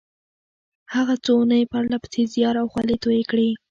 هغه څو اونۍ پرله پسې زيار او خولې تويې کړې.